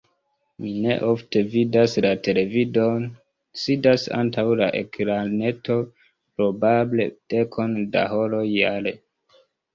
Mi neofte vidas televidon, sidas antaŭ la ekraneto probable dekon da horoj jare.